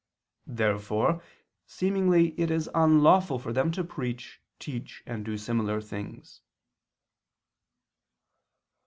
Therefore seemingly it is unlawful for them to preach, teach, and do similar things.